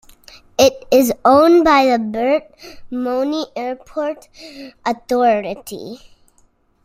It is owned by the Bert Mooney Airport Authority.